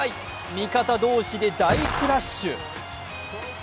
味方同士で大クラッシュ！